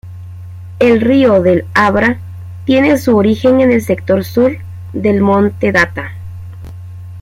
El río del Abra tiene su origen en el sector sur del Monte Data.